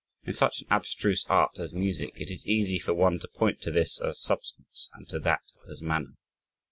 In such an abstruse art as music it is easy for one to point to this as substance and to that as manner.